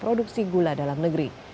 produksi gula dalam negeri